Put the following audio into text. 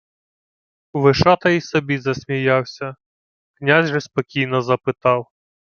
Вишата й собі засміявся, князь же спокійно запитав: